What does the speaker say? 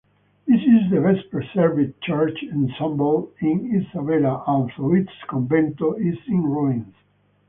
This is the best-preserved church ensemble in Isabela although its convento is in ruins.